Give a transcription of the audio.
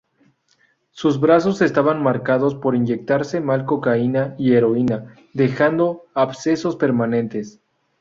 Sus brazos estaban marcados por inyectarse mal cocaína y heroína, dejando abscesos permanentes.